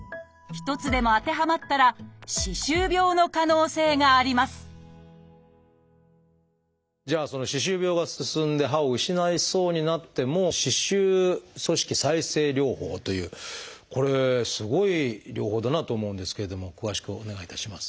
一つでも当てはまったら歯周病の可能性がありますじゃあ歯周病が進んで歯を失いそうになっても「歯周組織再生療法」というこれすごい療法だなと思うんですけれども詳しくお願いいたします。